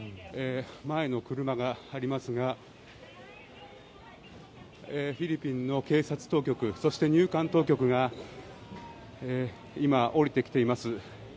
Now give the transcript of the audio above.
前の車がありますがフィリピンの警察当局そして入管当局が今、降りてきています。